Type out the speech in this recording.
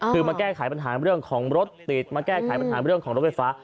คือมาแก้ไขปัญหาเรื่องของรถติดมาแก้ไขปัญหาเรื่องของรถไฟฟ้า